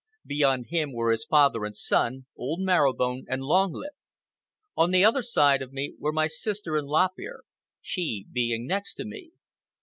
Beyond him were his father and son, old Marrow Bone and Long Lip. On the other side of me were my sister and Lop Ear, she being next to me.